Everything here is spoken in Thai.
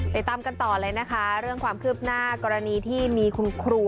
ติดตามกันต่อเลยนะคะเรื่องความคืบหน้ากรณีที่มีคุณครู